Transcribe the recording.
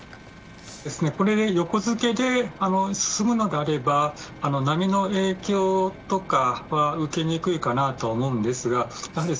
これで横付けで進むのであれば波の影響とかは受けにくいかなと思うんですが。